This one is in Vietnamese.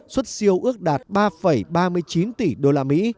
xuất siêu ước đạt ba ba mươi chín tỷ usd